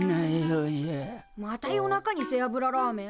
また夜中に背脂ラーメン？